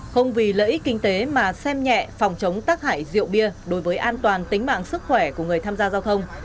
không vì lợi ích kinh tế mà xem nhẹ phòng chống tắc hại rượu bia đối với an toàn tính mạng sức khỏe của người tham gia giao thông